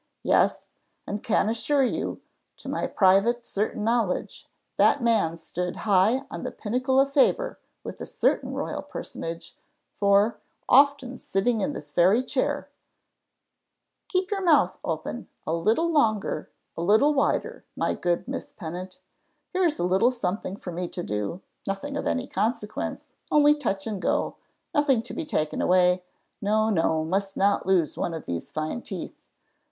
Yes and can assure you, to my private certain knowledge, that man stood high on the pinnacle of favour with a certain royal personage, for, often sitting in this very chair "Keep your mouth open a little longer little wider, my good Miss Pennant. Here's a little something for me to do, nothing of any consequence only touch and go nothing to be taken away, no, no, must not lose one of these fine teeth.